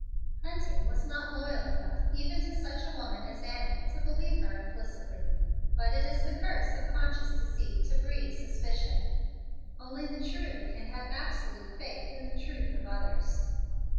Hunting was not loyal enough even to such a woman as Annie to believe her implicitly. But it is the curse of conscious deceit to breed suspicion. Only the true can have absolute faith in the truth of others.